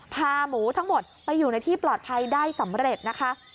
พาหมูทั้งหมดไปอยู่ในที่ปลอดภัยได้สำเร็จนะคะ